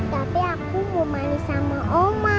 tapi aku mau mandi sama oma